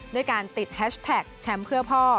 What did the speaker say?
ด้วยการติดแฮชแท็กแชมป์เพื่อพ่อ